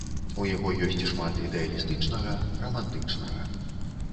У яго ёсць шмат ідэалістычнага, рамантычнага.